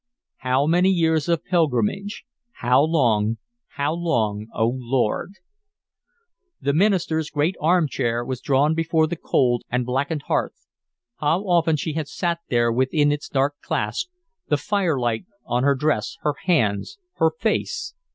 How many years of pilgrimage... how long, how long, O Lord? The minister's great armchair was drawn before the cold and blackened hearth. How often she had sat there within its dark clasp, the firelight on her dress, her hands, her face!